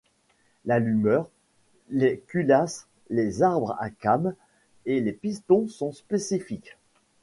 L'allumeur, les culasses, les arbres à cames et les pistons sont spécifiques.